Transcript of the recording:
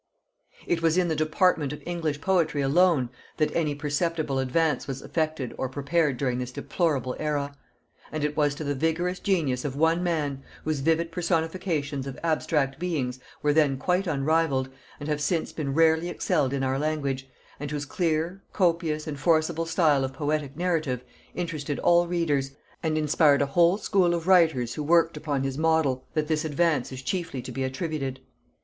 It was in the department of English poetry alone that any perceptible advance was effected or prepared during this deplorable æra; and it was to the vigorous genius of one man, whose vivid personifications of abstract beings were then quite unrivalled, and have since been rarely excelled in our language, and whose clear, copious, and forcible style of poetic narrative interested all readers, and inspired a whole school of writers who worked upon his model, that this advance is chiefly to be attributed.